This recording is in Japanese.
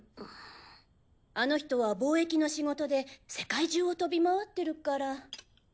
あの人は貿易の仕事で世界中を飛び回ってるから。